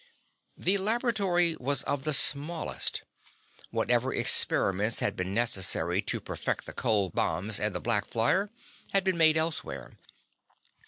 The laboratory was of the smallest. Whatever experiments had been necessary to perfect the cold bombs and the black flyer had been made elsewhere.